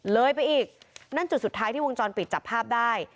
เลยไปอีกนั่นจุดสุดท้ายที่วงจรปิดจับภาพได้